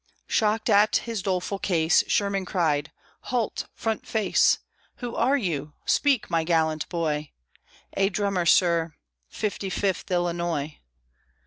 Shocked at his doleful case, Sherman cried, "Halt! front face! Who are you? Speak, my gallant boy!" "A drummer, sir: Fifty fifth Illinois."